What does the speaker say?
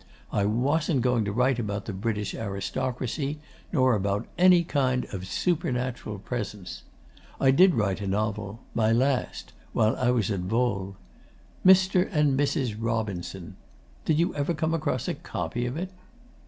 I wasn't going to write about the British aristocracy, nor about any kind of supernatural presence.... I did write a novel my last while I was at Vaule. "Mr. and Mrs. Robinson." Did you ever come across a copy of it?